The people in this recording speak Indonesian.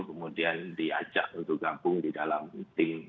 kemudian diajak untuk gabung di dalam tim pemenangan biasanya begitu